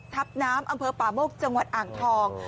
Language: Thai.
ทัพน้ำอำเภอป่าโมกจังหวัดอ่างทอง